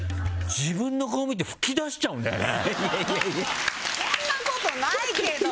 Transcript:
自分の顔見て吹き出しちゃうんだよね。